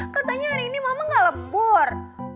katanya hari ini mama enggak lembur